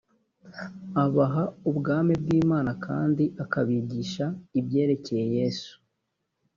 abaha ubwami bw imana kandi akabigisha ibyerekeye yesu